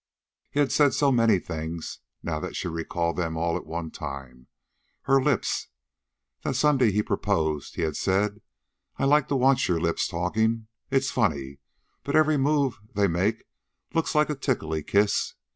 He had said so many things, now that she recalled them all at one time. Her lips! The Sunday he proposed he had said: "I like to watch your lips talking. It's funny, but every move they make looks like a tickly kiss."